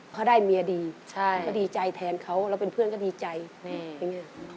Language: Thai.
เขาได้เมียดีใช่เขาดีใจแทนเขาแล้วเป็นเพื่อนก็ดีใจอย่างนี้